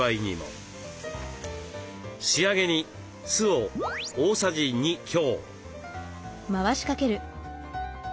仕上げに酢を大さじ２強。